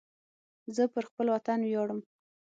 زه پر خپل وطن ویاړم